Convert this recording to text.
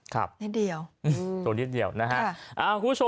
ครับส่วนนิดเดียวนะฮะ